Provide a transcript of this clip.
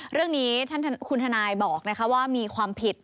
เรื่องนี้ท่านคุณทนายบอกว่ามีความผิด